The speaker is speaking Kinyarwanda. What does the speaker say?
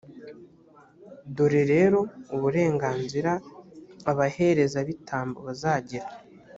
dore rero uburenganzira abaherezabitambo bazagira